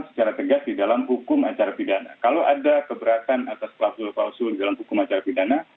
secara tegas di dalam hukum acara pidana kalau ada keberatan atas klausul klausul di dalam hukum acara pidana